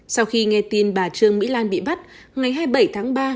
sau khi nghe tin bà trương mỹ lan bị bắt ngày hai mươi bảy tháng ba